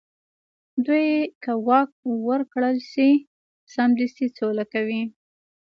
دوی که واک ورکړل شي، سمدستي سوله کوي.